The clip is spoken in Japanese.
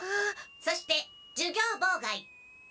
そして授業妨害。